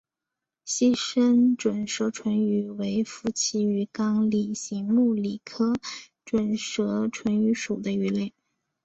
细身准舌唇鱼为辐鳍鱼纲鲤形目鲤科准舌唇鱼属的鱼类。